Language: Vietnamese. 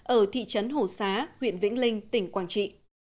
ở thị trấn hồ xá huyện vĩnh linh tỉnh quảng trị